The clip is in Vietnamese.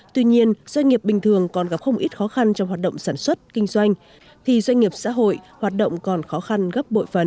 tuy nhiên doanh nghiệp bình thường còn gặp không ít khó khăn trong hoạt động sản xuất kinh doanh thì doanh nghiệp xã hội hoạt động còn khó khăn gấp bội phần